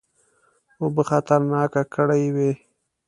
اوبه خطرناکه کړي وې.